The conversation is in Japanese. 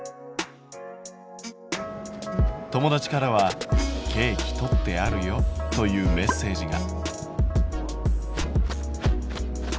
友達からは「ケーキとってあるよ」というメッセージが。